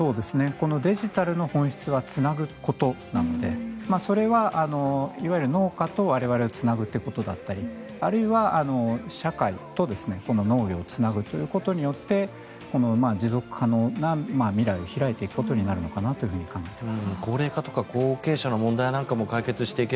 このデジタルの本質はつなぐことなのでそれはいわゆる農家と我々をつなぐことだったりあるいは社会と農業をつなぐことによって持続可能な未来を開いていくことになるのかなと考えています。